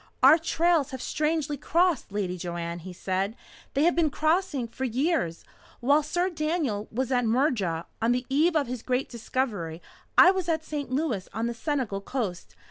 "Our trails have strangely crossed, Lady Joanne," he said. "They have been crossing for years. While Sir Daniel was at Murja, on the eve of his great discovery, I was at St. Louis on the Senegal coast.